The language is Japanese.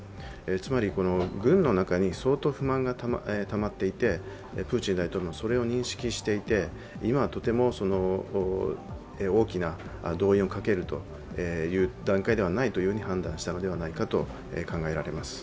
つまり、軍の中に相当、不満がたまっていてプーチン大統領もそれを認識していて、今はとても大きな動員をかけるという段階ではないと判断したのではないかと考えられます。